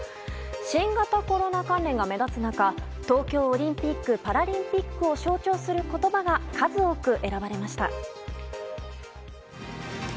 新型コロナ関連が目立つ中東京オリンピック・パラリンピックを象徴する言葉が数多く選ばれました。